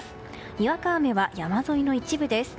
にわか雨は山沿いの一部です。